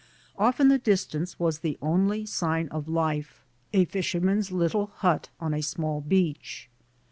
Off in the distance was the only sign of life: a fisherman's little hut on a small beach.